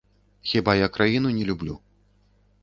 Хіба я краіну не люблю?